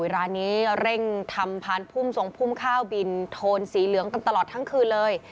ร้านนี้เร่งทำพานพุ่มทรงพุ่มข้าวบินโทนสีเหลืองกันตลอดทั้งคืนเลย